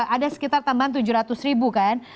ada sekitar tambahan tujuh ratus ribu kan